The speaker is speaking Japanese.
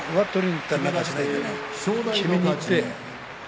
きめにいって。